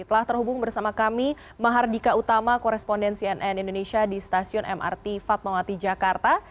telah terhubung bersama kami mahardika utama korespondensi nn indonesia di stasiun mrt fatmawati jakarta